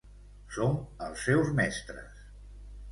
Som els seus mestres!